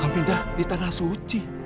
hamidah di tanah suci